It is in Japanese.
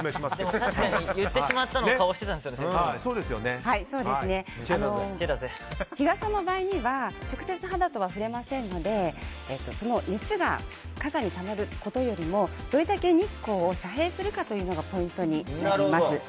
言ってしまったという顔を日傘の場合には直接、肌とは触れませんので熱が傘にたまることよりもどれだけ日光を遮蔽するかがポイントになります。